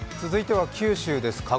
続いては九州です。